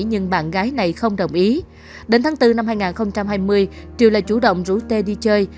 nhưng bạn gái này không đồng ý đến tháng bốn năm hai nghìn hai mươi triều lại chủ động rủ tê đi chơi